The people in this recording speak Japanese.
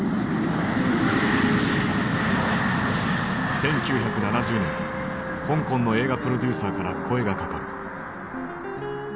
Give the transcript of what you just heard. １９７０年香港の映画プロデューサーから声がかかる。